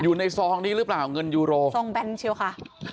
ซองนี้หรือเปล่าเงินยูโรซองแบนเชียวค่ะ